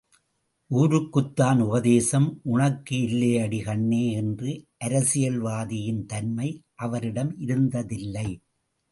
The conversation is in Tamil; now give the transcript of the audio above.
ஊருக்குத்தான் உபதேசம், உனக்கு இல்லையடி கண்ணே என்ற அரசியல்வாதியின் தன்மை அவரிடம் இருந்ததில்லை.